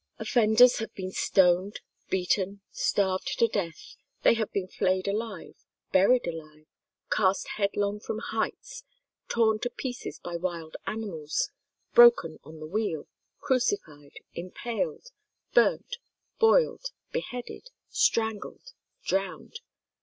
Offenders have been stoned, beaten, starved to death; they have been flayed alive, buried alive, cast headlong from heights, torn to pieces by wild animals, broken on the wheel, crucified, impaled, burnt, boiled, beheaded, strangled, drowned.